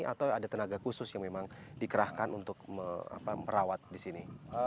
atau ada tenaga khusus yang memang dikerahkan untuk merawat di sini